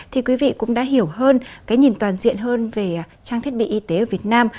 thì quý vị cũng đã hiểu hơn cái nhìn toàn diện hơn về trang thiết bị y tế ở việt nam